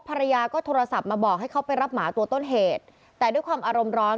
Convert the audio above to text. ภรรยาก็โทรศัพท์มาบอกให้เขาไปรับหมาตัวต้นเหตุแต่ด้วยความอารมณ์ร้อน